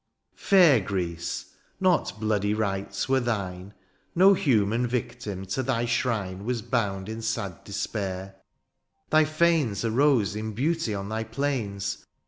Fair Greece ! not bloody rites were thine. No human victim to thy shrine Was bound in sad despair, — ^thy fanes Arose in beauty on thy plains.